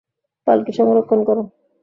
পালকি সংরক্ষণ করো।